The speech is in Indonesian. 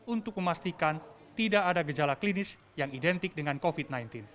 untuk memastikan tidak ada gejala klinis yang identik dengan covid sembilan belas